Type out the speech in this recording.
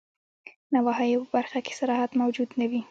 نواهیو په برخه کي صراحت موجود نه وي.